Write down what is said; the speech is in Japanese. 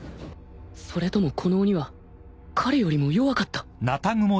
それともこの鬼は彼よりも弱かった？